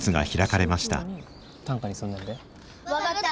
分かった！